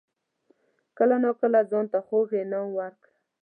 کله ناکله ځان ته خوږ انعام ورکړه.